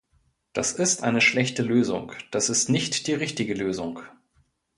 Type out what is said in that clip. Das ist eine schlechte Lösung, das ist nicht die richtige Lösung!